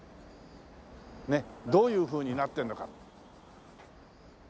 どういうふうになってるのか。